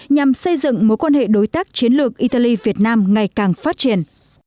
nhằm xây dựng mối quan hệ đối tác chiến lược italy việt nam ngày càng phát triển